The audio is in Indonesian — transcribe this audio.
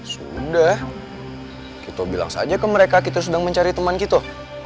sudah kita bilang saja ke mereka kita sedang mencari teman kita